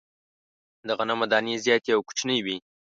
د غنمو دانې زیاتي او کوچنۍ وې.